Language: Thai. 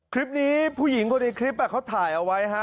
คลิปนี้ผู้หญิงคนในคลิปแบบเขาถ่ายเอาไว้ฮะ